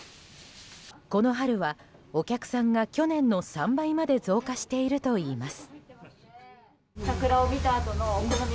この春はお客さんが去年の３倍まで増加しているといいます。